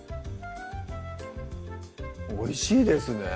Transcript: おいしいですね